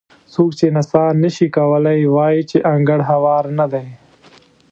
څوک چې نڅا نه شي کولی وایي چې انګړ هوار نه دی.